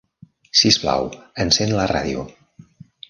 Sisplau, encén la ràdio.